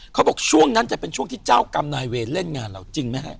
เขาบอกช่วงนั้นจะเป็นช่วงที่เจ้ากรรมนายเวรเล่นงานเราจริงไหมฮะ